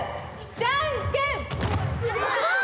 じゃんけんパー！